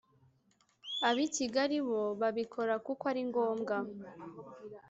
abikigali bo babikora kuko aringombwa